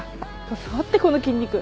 触ってこの筋肉。